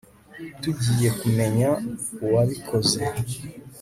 Tugiye kumenya uwabikoze